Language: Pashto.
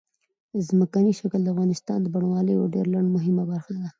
ځمکنی شکل د افغانستان د بڼوالۍ یوه ډېره مهمه برخه ده.